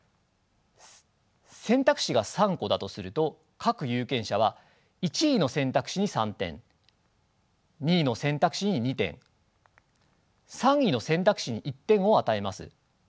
選択肢が３個だとすると各有権者は１位の選択肢に３点２位の選択肢に２点３位の選択肢に１点を与えます。